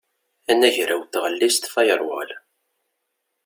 Anagraw n tɣellist firewall.